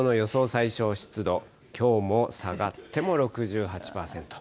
最小湿度、きょうも下がっても６８％。